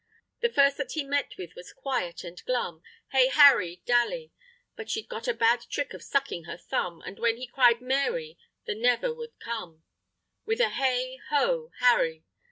The first that he met with was quiet and glum, Hey, Harry Dally! But she'd got a bad trick of sucking her thumb, And when he cried "Mary!" the never would come, With a hey ho, Harry!